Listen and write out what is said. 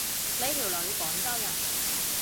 呢條女廣州人